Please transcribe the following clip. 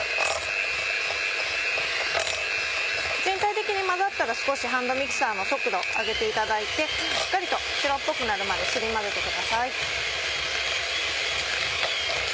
全体的に混ざったら少しハンドミキサーの速度上げていただいてしっかりと白っぽくなるまですり混ぜてください。